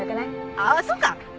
ああそっか！